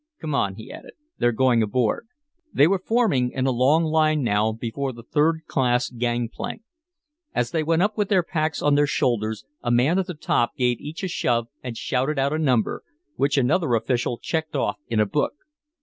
"Come on," he added. "They're going aboard." They were forming in a long line now before the third class gang plank. As they went up with their packs on their shoulders, a man at the top gave each a shove and shouted out a number, which another official checked off in a book.